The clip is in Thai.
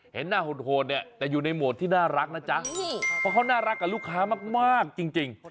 เห็นหน้าโหดเนี่ยแต่อยู่ในโหมดที่น่ารักนะจ๊ะเพราะเขาน่ารักกับลูกค้ามากจริง